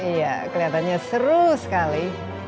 iya kelihatannya seru sekali